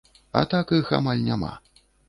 А так іх амаль няма.